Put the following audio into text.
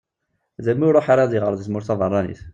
Daymi ur iruḥ ara ad iɣer deg tmurt taberranit.